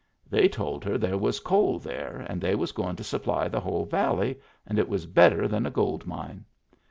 They told her there was coal there and they was goin' to supply the whole valley, and it was better than a gold mine.